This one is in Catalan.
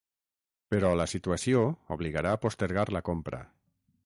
Però la situació obligarà a postergar la compra.